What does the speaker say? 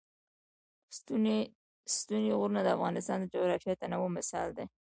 ستوني غرونه د افغانستان د جغرافیوي تنوع مثال دی.